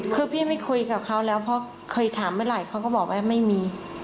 คือพี่ไม่คุยกับเขาแล้วเพราะเคยถามเมื่อไหร่เขาก็บอกว่าไม่มี